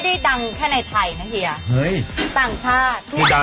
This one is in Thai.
เค้าก็มีคนไปลงเศรษฐ์ประเทศ